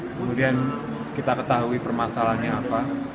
kemudian kita ketahui permasalahannya apa